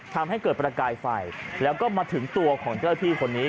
ทำให้เกิดประกายไฟแล้วก็มาถึงตัวของเจ้าที่คนนี้